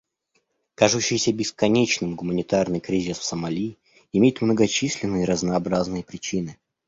Кажущийся бесконечным гуманитарный кризис в Сомали имеет многочисленные и разнообразные причины.